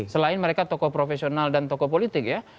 selain mereka tokoh profesional dan tokoh politik ya